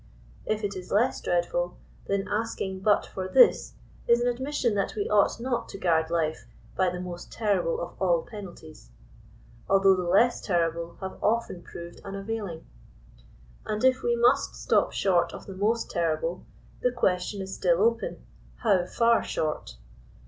If it is less dreadful, then asking but for this is an admission that we ought not to guard life «<by the most terrible of all penalties," although the less terrible have often proved unavailing. And if we must stop short of the most terrible, the question is still open, how far short?